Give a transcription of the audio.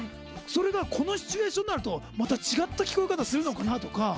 それがこのシチュエーションになるとまた違った聞こえ方するのかなとか。